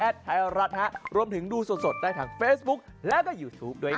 ไทยรัฐฮะรวมถึงดูสดได้ทางเฟซบุ๊คและได้ยูทูปด้วยครับ